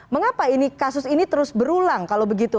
mengapa kasus ini terus berulang kalau begitu